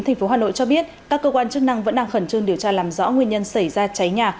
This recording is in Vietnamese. tp hà nội cho biết các cơ quan chức năng vẫn đang khẩn trương điều tra làm rõ nguyên nhân xảy ra cháy nhà